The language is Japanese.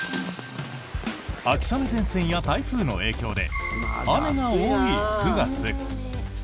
秋雨前線や台風の影響で雨が多い９月。